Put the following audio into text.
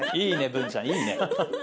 ブンちゃんいいね。